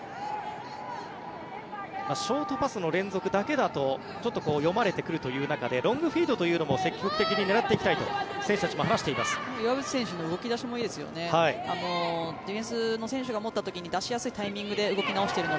ショートパスの連続だけだとちょっと読まれてくるという中でロングフィードというのも積極的に狙っていきたいと選手たちも話しています。